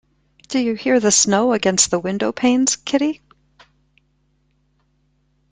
Do you hear the snow against the window-panes, Kitty?